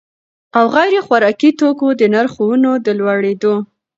او غیر خوراکي توکو د نرخونو د لوړېدو